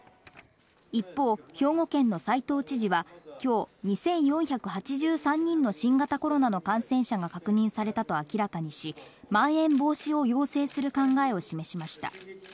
一方、兵庫県の齋藤知事はきょう、２４８３人の新型コロナの感染者が確認されたと明らかにし、まん延防止を要請する考えを示しました。